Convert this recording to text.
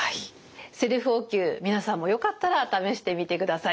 セルフお灸皆さんもよかったら試してみてください。